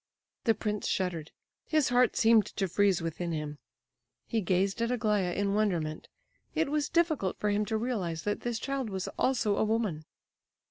The prince shuddered; his heart seemed to freeze within him. He gazed at Aglaya in wonderment; it was difficult for him to realize that this child was also a woman.